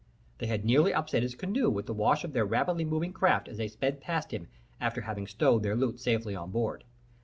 They had nearly upset his canoe with the wash of their rapidly moving craft as they sped past him after having stowed their loot safely on board.